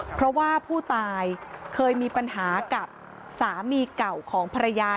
เพราะว่าผู้ตายเคยมีปัญหากับสามีเก่าของภรรยา